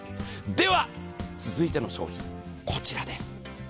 では続いての商品、こちらです。